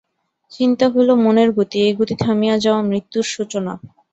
চিন্তা হইল মনের গতি, এই গতি থামিয়া যাওয়া মৃত্যুর সূচনা।